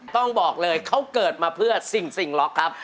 ต้องบอกเลยเขาเกิดมาเพื่อสิ่งล็อกครับ